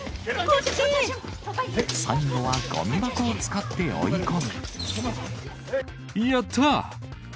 最後はごみ箱を使って追い込やった！